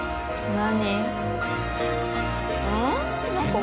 何？